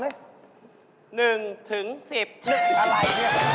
๑๑อะไรเนี่ย